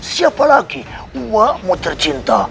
siapa lagi saya mau tercinta